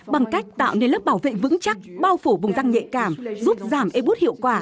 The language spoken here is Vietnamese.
bằng cách tạo nên lớp bảo vệ vững chắc bao phủ vùng răng nhạy càng giúp giảm ê bút hiệu quả